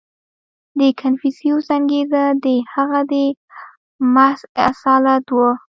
• د کنفوسیوس انګېرنه د هغه د محض اصالت وه.